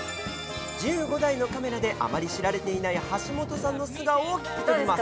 １５台のカメラで、あまり知られていない橋本さんの素顔を聞き取ります。